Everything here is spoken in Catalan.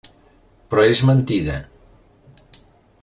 Però és mentida.